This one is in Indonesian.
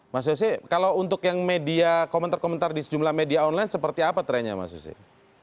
mas yose kalau untuk yang media komentar komentar di sejumlah media online seperti apa trennya mas yose